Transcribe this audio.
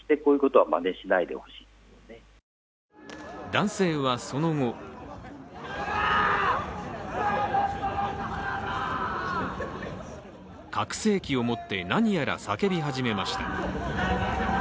男性はその後拡声器を持って何やら叫び始めました。